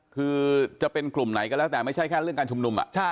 คือจะเป็นกลุ่มไหนก็แล้วแต่ไม่ใช่แค่เรื่องการชุมนุม